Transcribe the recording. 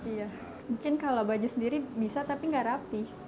iya mungkin kalau baju sendiri bisa tapi nggak rapi